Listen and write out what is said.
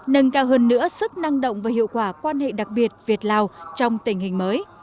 nâng cao hơn nữa sức năng động và hiệu quả quan hệ đặc biệt việt lào trong tình hình mới